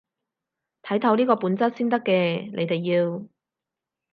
睇透呢個本質先得嘅，你哋要